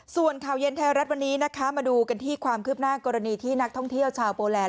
ส่วนข่าวเย็นไทยรัฐวันนี้นะคะมาดูกันที่ความคืบหน้ากรณีที่นักท่องเที่ยวชาวโปแลนด